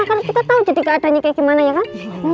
karena kita tau jadi keadanya kayak gimana ya kan